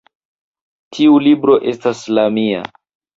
Tiu libro estas la mia